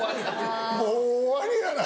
もう終わりやな。